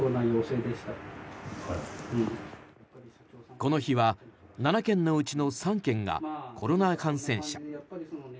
この日は７件のうちの３件がコロナ感染者。